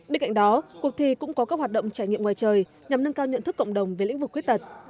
bên cạnh đó cuộc thi cũng có các hoạt động trải nghiệm ngoài trời nhằm nâng cao nhận thức cộng đồng về lĩnh vực khuyết tật